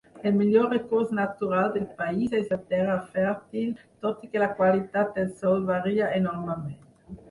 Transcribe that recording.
El millor recurs natural del país és la terra fèrtil, tot i que la qualitat del sòl varia enormement.